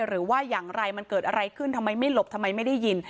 หรือว่าอย่างไรมันเกิดอะไรขึ้นทำไมไม่หลบทำไมไม่ได้ยิน